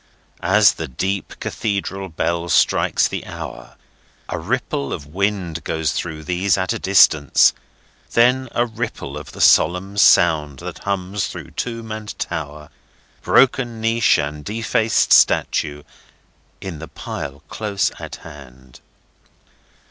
As the deep Cathedral bell strikes the hour, a ripple of wind goes through these at their distance, like a ripple of the solemn sound that hums through tomb and tower, broken niche and defaced statue, in the pile close at hand.